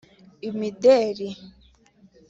imideli